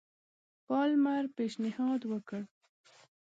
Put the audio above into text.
پالمر پېشنهاد وکړ.